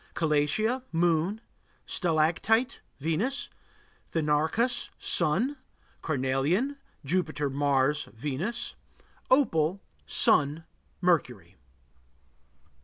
Calatia Moon. Stalactite Venus. Thenarcus Sun. Carnelian Jupiter, Mars, Venus. Opal Sun, Mercury.